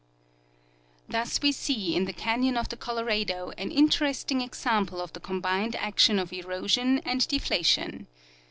Thus we see in the canyon of the Colorado an interesting ex ample of the combined action of erosion and deflation.